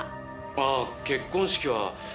「ああ結婚式は」